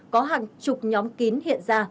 có hàng chục nhóm kín hiện ra